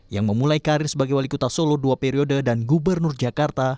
yang memulai karir sebagai wali kota solo dua periode dan gubernur jakarta